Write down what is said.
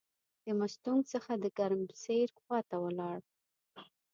د مستونګ څخه د ګرمسیر خواته ولاړ.